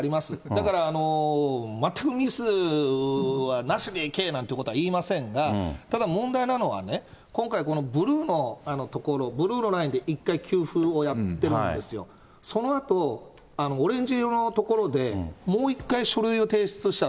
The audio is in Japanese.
だから、全くミスはなしでいけなんてことは言いませんが、ただ問題なのは、このブルーのところ、ブルーのラインで、１回給付をやってるんですよ、そのあと、オレンジ色のところで、もう１回、書類を提出した。